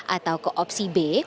atau ke opsi b